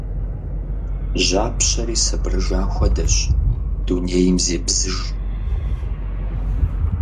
Жьапщэри сабырыжа хуэдэщ. Дунейм зебзыж.